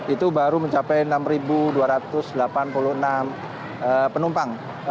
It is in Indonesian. itu baru mencapai enam dua ratus delapan puluh enam penumpang